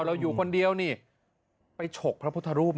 เราอยู่คนเดียวนี่ไปฉกพระพุทธรูป